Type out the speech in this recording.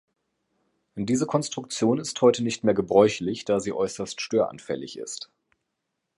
Diese Konstruktion ist heute nicht mehr gebräuchlich, da sie äußerst störanfällig ist.